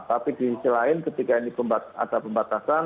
tapi di sisi lain ketika ini ada pembatasan